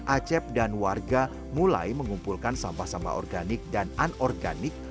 acep dan warga mulai mengumpulkan sampah sampah organik dan anorganik